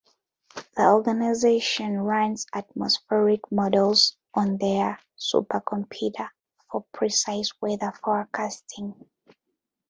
The organization runs atmospheric models on their supercomputer for precise weather forecasting.